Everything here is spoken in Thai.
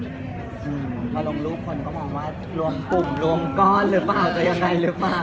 มาลงรูปกันก็มองว่าลงกลุ่มหรือกลงก้อนหรือเปล่าแต่มันจะยังไงหรือเปล่า